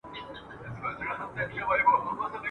په لار کي به دي پلونه د رقیب خامخا نه وي !.